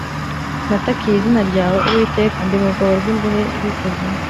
Natakiye izina ryawe, Uwiteka, Ndi mu rwobo rw’imbohe rw’ikuzimu.